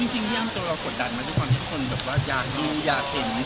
จริงย่ามตัวเรากดดันมาด้วยความที่คนแบบว่าอยากเห็น